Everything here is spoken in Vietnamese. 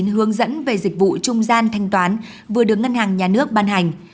hướng dẫn về dịch vụ trung gian thanh toán vừa được ngân hàng nhà nước ban hành